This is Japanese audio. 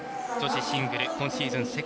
女子シングル今シーズン